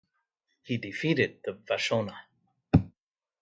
He defeated the Vashona.